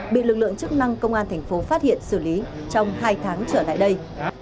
bị lực lượng chức năng công an tp phát hiện xử lý trong hai tháng trở lại đây